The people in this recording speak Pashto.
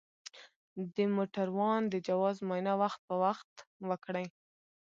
د موټروان د جواز معاینه وخت په وخت وکړئ.